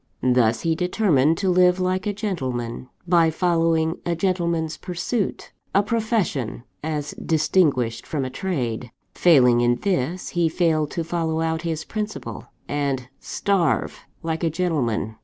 Thus, he determined to live like a gentleman, by following a gentleman's pursuit a profession, as distinguished from a trade. Failing in this, he failed to follow out his principle, and starve like a gentleman.